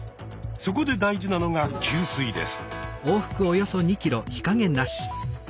そこで大事なのが給水です。